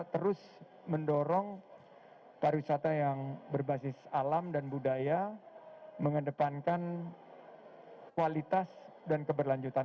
terus mendorong pariwisata yang berbasis alam dan budaya mengedepankan kualitas dan keberlanjutan